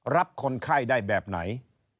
รับคนไข้ได้แบบไหน